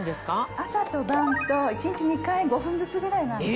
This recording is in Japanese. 朝と晩と１日２回５分ずつぐらいなんで。